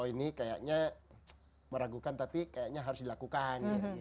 ini kayaknya meragukan tapi kayaknya harus dilakukan